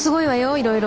いろいろ。